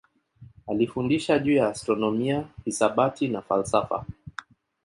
Alifundisha juu ya astronomia, hisabati na falsafa.